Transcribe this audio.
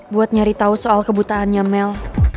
buat nyari tahu soal kebutaannya mel